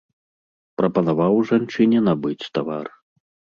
Прапанаваў жанчыне набыць тавар.